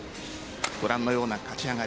ご覧のような勝ち上がり。